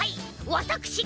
わたくしが。